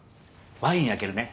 ワイン開けるね。